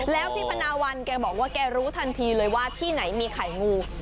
แล้วพี่พนาวันแกบอกว่าแกรู้ทันทีเลยว่าที่ไหนมีไข่งู